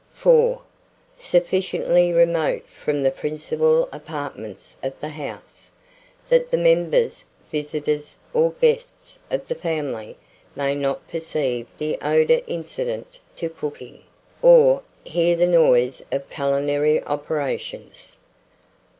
4. Sufficiently remote from the principal apartments of the house, that the members, visitors, or guests of the family, may not perceive the odour incident to cooking, or hear the noise of culinary operations.